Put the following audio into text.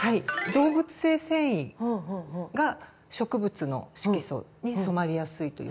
動物性繊維が植物の色素に染まりやすいという性質があります。